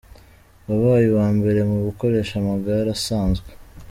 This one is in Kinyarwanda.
wabaye uwa mbere mu gukoresha amagare asanzwe.